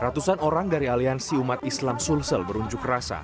ratusan orang dari aliansi umat islam sulsel berunjuk rasa